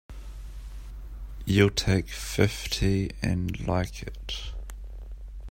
You'll take fifty and like it!